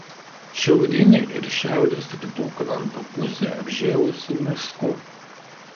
Šiaurinė ir šiaurės rytų kranto pusė apžėlusi mišku.